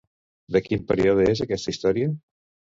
De quin període és aquesta història?